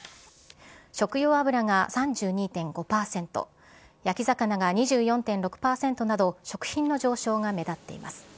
食用油が３２．５％、焼き魚が２４．６％など、食品の上昇が目立っています。